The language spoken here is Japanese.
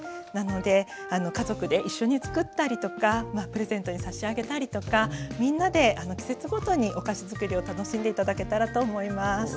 なので家族で一緒につくったりとかプレゼントに差し上げたりとかみんなで季節ごとにお菓子づくりを楽しんで頂けたらと思います。